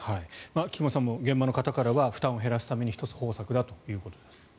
菊間さん、現場の方からは負担を減らすために１つ方策だということです。